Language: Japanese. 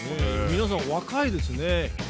皆さん若いですね。